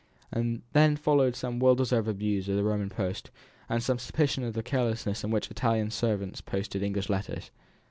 And then followed some well deserved abuse of the Roman post, and some suspicion of the carelessness with which Italian servants posted English letters.